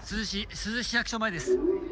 珠洲市役所前です。